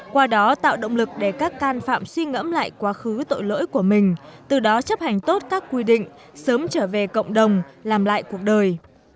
qua đó tạo động lực để các can phạm suy ngẫm lại quá khứ tội lỗi của mình từ đó chấp hành tốt các quy định sớm trở về cộng đồng làm lại cuộc đời